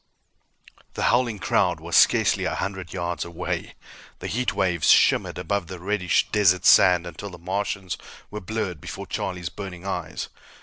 The howling crowd was scarcely a hundred yards away. The heat waves shimmered above the reddish desert sand until the Martians were blurred before Charlie's burning eyes.